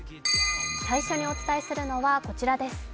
最初にお伝えするのはこちらです。